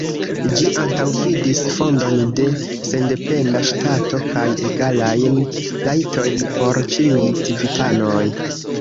Ĝi antaŭvidis fondon de sendependa ŝtato kaj egalajn rajtojn por ĉiuj civitanoj.